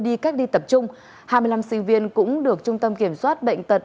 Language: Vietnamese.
đi cách ly tập trung hai mươi năm sinh viên cũng được trung tâm kiểm soát bệnh tật